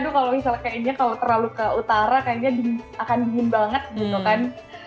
kalau misalnya kayaknya kalau terlalu ke utara kayaknya akan dingin banget gitu kan